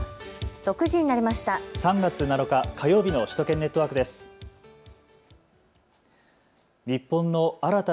６時になりました。